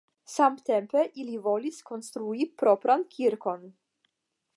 Samtempe ili volis konstrui propran kirkon.